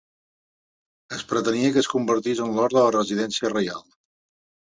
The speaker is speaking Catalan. Es pretenia que es convertís en l'hort de la residència reial.